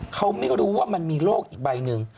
เขาไม่รู้ว่ามันมีโรคอีกใบหนึ่ง